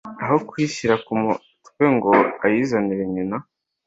aho kuyishyira ku mutwe ngo ayizanire nyina,